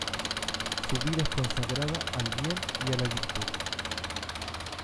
Su vida es consagrada al bien y a la virtud.